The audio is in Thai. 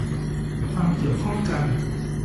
ความเกี่ยวข้องกัน